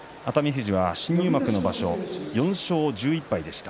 富士は新入幕の場所４勝１１敗でした。